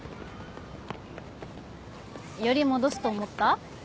より戻すと思った？